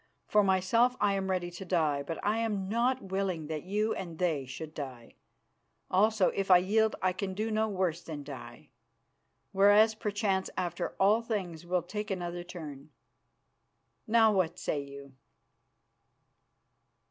For myself, I am ready to die, but I am not willing that you and they should die. Also, if I yield, I can do no worse than die, whereas perchance after all things will take another turn. Now what say you?"